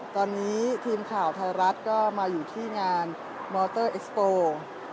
ตอนนี้ทีมข่าวไทยรัฐก็มาอยู่ที่งานมอเตอร์เอ็กซ์โปร์